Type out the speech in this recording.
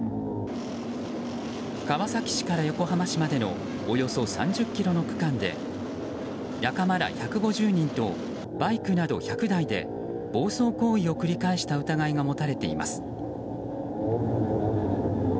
川崎市から横浜市までのおよそ３０ｋｍの区間で仲間ら１５０人とバイクなど１００台で暴走行為を繰り返した疑いが持たれています。